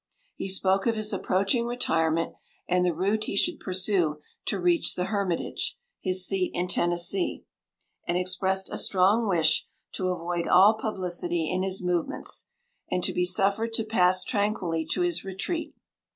He spoke of his approaching retirement, and the route he should pursue to reach the Hermitage, (his seat in Tennessee,) and expressed a strong wish to avoid all publicity in his movements, and to be suffered to pass tranquilly to his retreat.